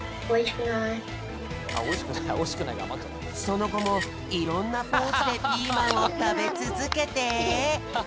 そのごもいろんなポーズでピーマンをたべつづけて。